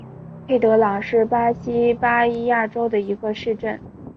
佩德朗是巴西巴伊亚州的一个市镇。